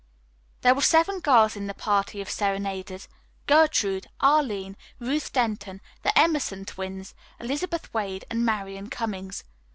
There were seven girls in the party of serenaders Gertrude, Arline, Ruth Denton, the Emerson twins, Elizabeth Wade and Marian Cummings.